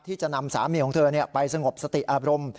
ที่จะนำสามีห์ของเธอเนี่ยไปสงบสติอบรม